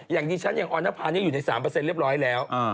อย่างดิฉันอย่างออนภาอยู่ใน๓เรียบร้อยแล้ว